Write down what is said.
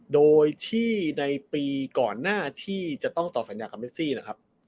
โดยที่ในปีก่อนหน้าที่จะต้องต่อสัญญากับเมซี่นะครับ